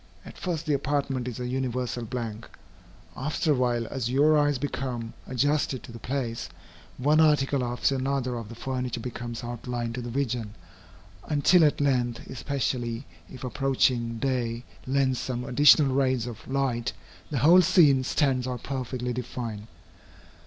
At first the apartment is a universal blank. After a while, as your eyes become adjusted to the place, one article after another of the furniture becomes outlined to the vision, until at length, especially if approaching day lends some additional rays of light, the whole scene stands out perfectly defined.